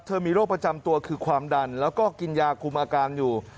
มีโรคประจำตัวคือความดันแล้วก็กินยาคุมอาการอยู่